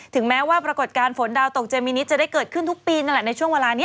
แม้ว่าปรากฏการณ์ฝนดาวตกเจมินิจะได้เกิดขึ้นทุกปีนั่นแหละในช่วงเวลานี้